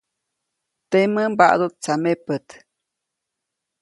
Temäʼ mbaʼduʼt tsamepät.